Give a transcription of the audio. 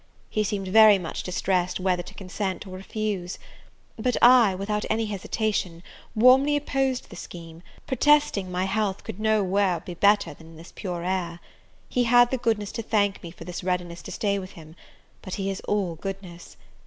He seemed very much distressed whether to consent or refuse; but I, without any hesitation, warmly opposed the scheme, protesting my health could no where be better than in this pure air. He had the goodness to thank me for this readiness to stay with him; but he is all goodness!